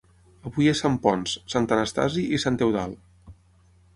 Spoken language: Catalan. Avui és Sant Ponç, sant Anastasi i Sant Eudald.